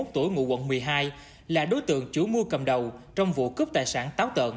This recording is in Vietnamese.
hai mươi tuổi ngụ quận một mươi hai là đối tượng chủ mua cầm đầu trong vụ cướp tài sản táo tợn